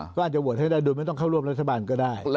ก็อาจจะโหวตให้ได้โดยไม่ต้องเข้าร่วมรัฐบาลก็ได้